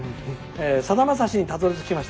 「さだまさしにたどりつきました」。